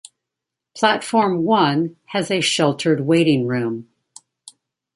Platform One has a sheltered waiting room.